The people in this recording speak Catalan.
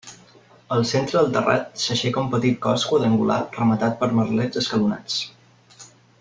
Al centre del terrat s'aixeca un petit cos quadrangular rematat per merlets escalonats.